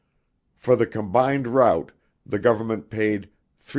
For the combined route the Government paid $320,000.